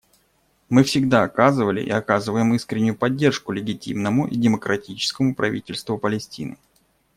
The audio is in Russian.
Мы всегда оказывали и оказываем искреннюю поддержку легитимному и демократическому правительству Палестины.